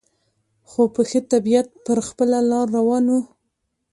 خو په ښه طبیعت پر خپله لار روان و.